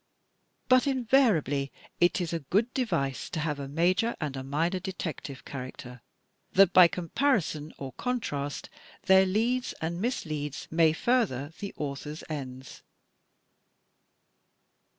But invariably it is a good device to have a major and a minor detective character, that by comparison or contrast their leads and misleads may further the author's ends.